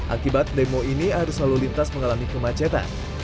akibat demo ini arus lalu lintas mengalami kemacetan